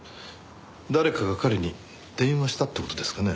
誰かが彼に電話したって事ですかね？